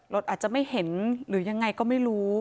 อาจจะไม่เห็นหรือยังไงก็ไม่รู้